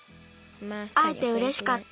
あえてうれしかった。